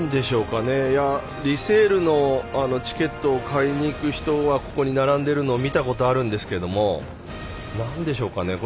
リセールのチケットを買いに行く人がここに並んでいるのを見たことがあるんですがなんでしょうかね。